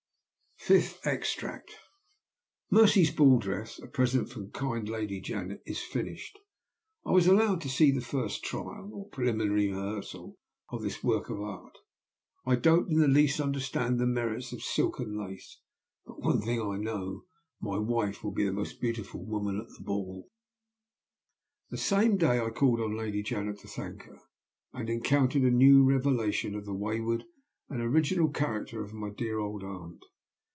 FIFTH EXTRACT. "Mercy's ball dress a present from kind Lady Janet is finished. I was allowed to see the first trial, or preliminary rehearsal, of this work of art. I don't in the least understand the merits of silk and lace; but one thing I know my wife will be the most beautiful woman at the ball. "The same day I called on Lady Janet to thank her, and encountered a new revelation of the wayward and original character of my dear old aunt.